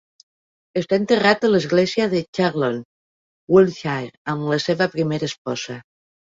Està enterrat a l'església de Charlton, Wiltshire, amb la seva primera esposa.